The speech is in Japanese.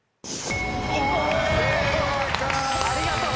ありがとう！